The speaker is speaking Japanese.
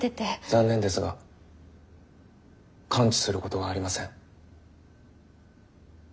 残念ですが完治することはありません。